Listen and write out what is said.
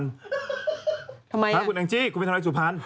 ทำไมคะคุณแองจี้คุณไปทำอะไรสุพรรณ